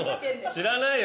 知らないよ。